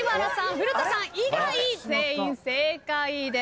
古田さん以外全員正解です。